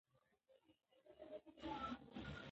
اخلاق انساني اړیکې سموي